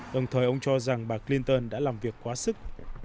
đồng thời ông cho rằng bà clinton đã làm việc quá sức